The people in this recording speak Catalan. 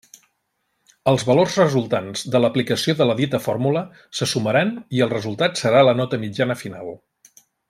Els valors resultants de l'aplicació de la dita fórmula se sumaran i el resultat serà la nota mitjana final.